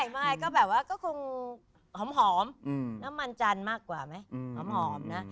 ไม่ก็แบบว่าก็คงหอมน้ำมันจันทร์มากกว่าไหมหอมนะ